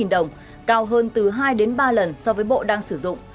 ba trăm chín mươi đồng cao hơn từ hai đến ba lần so với bộ đang sử dụng